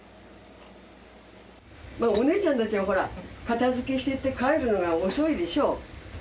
まあお姉ちゃんたちはほら片付けしてって帰るのが遅いでしょ。